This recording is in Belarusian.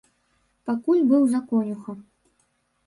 Пакуль быў за конюха.